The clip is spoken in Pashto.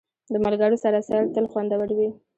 د ملګرو سره سیل تل خوندور وي.